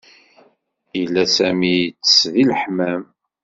Yella sami ittes di elhmam